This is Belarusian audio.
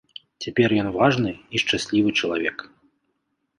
Цяпер ён важны і шчаслівы чалавек.